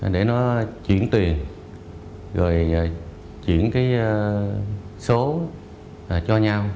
để nó chuyển tiền rồi chuyển cái số cho nhau